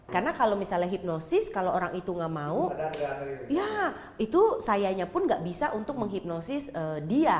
karena kalau misalnya hipnotis kalau orang itu tidak mau itu sayanya pun tidak bisa untuk menghipnotis dia